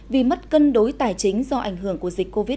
vì mất cân đối tài chính do ảnh hưởng của dịch covid một mươi chín